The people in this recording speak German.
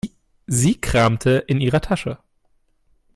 Sie kramte in ihrer Tasche.